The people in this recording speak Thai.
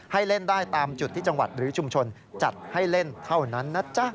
ให้เล่นได้ตามจุดที่จังหวัดหรือชุมชนจัดให้เล่นเท่านั้นนะจ๊ะ